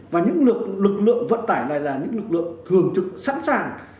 và những lực lượng vận tải này là những lực lượng thường trực sẵn sàng